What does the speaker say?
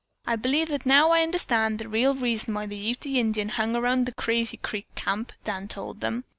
"I believe that I now understand the real reason why the Ute Indian hung around the Crazy Creek Camp," Dan told them.